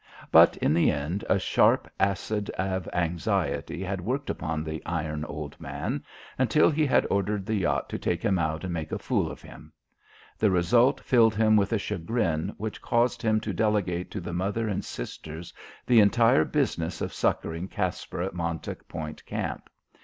But in the end a sharp acid of anxiety had worked upon the iron old man, until he had ordered the yacht to take him out and make a fool of him. The result filled him with a chagrin which caused him to delegate to the mother and sisters the entire business of succouring Caspar at Montauk Point Camp.